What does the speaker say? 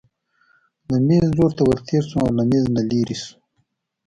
د مېز لور ته ورتېر شو او له مېز نه لیرې شو.